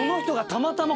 たまたま？